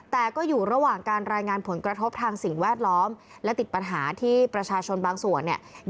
แต่ก็อยู่ระหว่างการรายงานผลกระทบทางสิ่งแวดล้อมและติดปัญหาที่ประชาชนบางส่วนเนี่ย